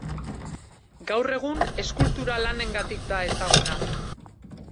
Gaur egun eskultura-lanengatik da ezaguna.